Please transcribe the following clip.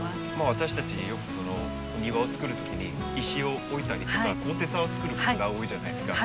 私たちよく庭をつくる時に石を置いたりとか高低差を作ることが多いじゃないですか。